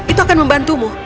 itu akan membantumu